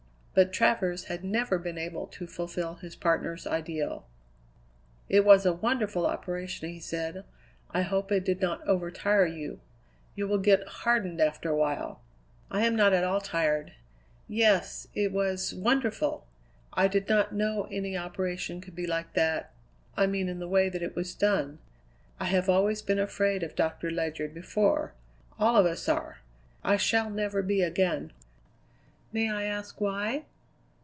But Travers had never been able to fulfil his partner's ideal. "It was a wonderful operation," he said. "I hope it did not overtire you. You will get hardened after a while." "I am not at all tired. Yes, it was wonderful! I did not know any operation could be like that I mean in the way that it was done. I have always been afraid of Doctor Ledyard before; all of us are; I shall never be again." "May I ask why?"